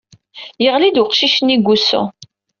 Yeɣli-d weqcic-nni deg wusu.